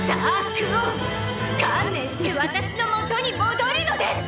クオン観念して私のもとに戻るのです！